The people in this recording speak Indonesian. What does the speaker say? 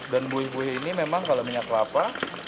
dan buih buih ini memang kalau minyak kelapa